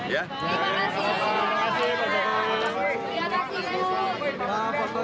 ya makasih pak